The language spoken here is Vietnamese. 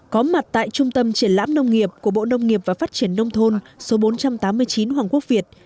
có mặt tại trung tâm triển lãm nông nghiệp của bộ nông nghiệp và phát triển nông thôn số bốn trăm tám mươi chín hoàng quốc việt